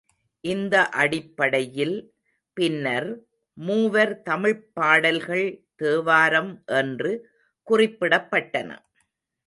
இந்த அடிப்படையில், பின்னர், மூவர் தமிழ்ப் பாடல்கள் தேவாரம் என்று குறிப்பிடப்பட்டன.